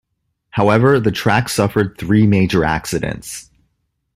However, the track suffered three major accidents.